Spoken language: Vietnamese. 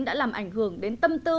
đã làm ảnh hưởng đến tâm tư